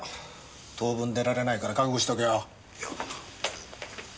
当分出られないから覚悟しとけよ。